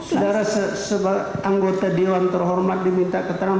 saudara anggota dewan terhormat diminta keterangan